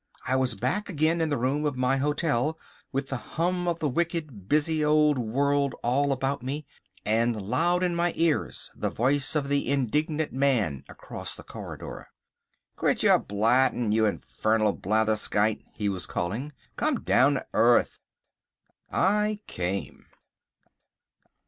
I was back again in the room of my hotel, with the hum of the wicked, busy old world all about me, and loud in my ears the voice of the indignant man across the corridor. "Quit your blatting, you infernal blatherskite," he was calling. "Come down to earth." I came.